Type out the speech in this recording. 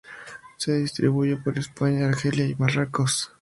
Se distribuye por España, Argelia y Marruecos.